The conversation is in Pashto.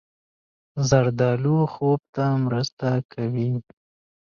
زردالو خوب ته مرسته کوي.